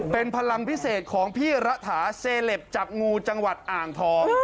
เป็นพลังพิเศษของพี่ระถาเซลปจับงูจังหวัดอ่างทอง